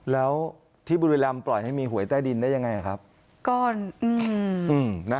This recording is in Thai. แล้วที่บุรีรำปล่อยให้มีหวยใต้ดินได้ยังไงครับ